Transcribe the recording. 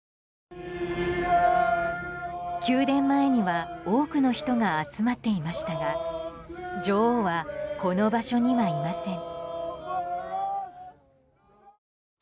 宮殿前には多くの人が集まっていましたが女王は、この場所にはいません。